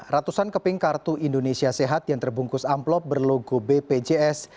ratusan keping kartu indonesia sehat yang terbungkus amplop berlogo bpjs